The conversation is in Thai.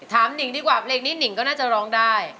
หนิงดีกว่าเพลงนี้หนิงก็น่าจะร้องได้